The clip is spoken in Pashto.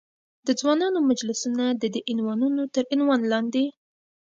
د ځوانانو مجلسونه، ددې عنوانونو تر عنوان لاندې.